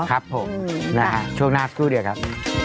ครับผมช่วงหน้าสู้เดียวครับ